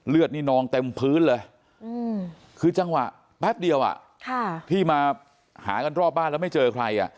เลือดนี่นองเต็มพื้นเลยคือจังหวะแป๊บเดียวที่มาหากันรอบบ้านแล้วไม่เจอใคร